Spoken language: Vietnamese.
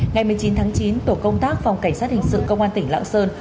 ngày một mươi chín tháng chín tổ công tác phòng cảnh sát hình sự công an tỉnh lạng sơn